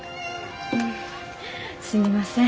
んすみません。